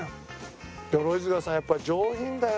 鎧塚さんはやっぱり上品だよね。